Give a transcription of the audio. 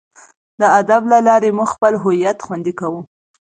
د ادب له لارې موږ خپل هویت خوندي کوو.